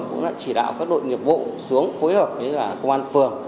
cũng đã chỉ đạo các đội nghiệp vụ xuống phối hợp với cả công an phường